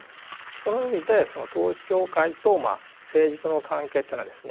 その意味で統一教会と政治との関係っていうのはですね